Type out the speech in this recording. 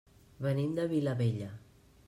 Venim de Vilabella.